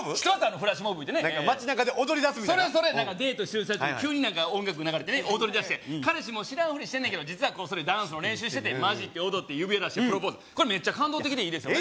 フラッシュモブいうてね街なかで踊り出すみたいなデートしてる最中に急に音楽流れてね踊り出して彼氏も知らんふりしてんねんけど実はダンスの練習しててまじって踊って指輪出してプロポーズメッチャ感動的でいいですよね